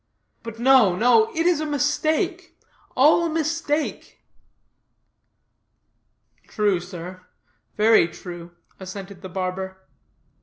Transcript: But no, no; it is a mistake all a mistake." "True, sir, very true," assented the barber.